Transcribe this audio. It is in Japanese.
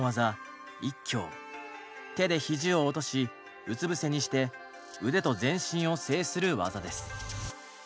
手で肘を落としうつ伏せにして腕と全身を制する技です。